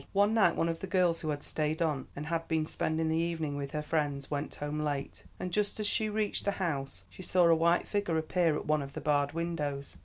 One night one of the girls who had stayed on and had been spending the evening with her friends, went home late, and just as she reached the house she saw a white figure appear at one of the barred windows.